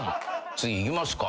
次いきますか。